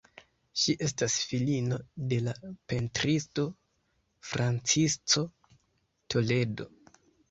Ŝi estas filino de la pentristo Francisco Toledo.